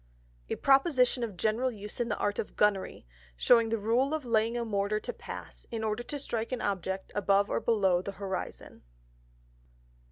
_A Proposition of general Use in the Art of Gunnery, shewing the Rule of laying a Mortar to pass, in order to strike an Object above or below the Horizon.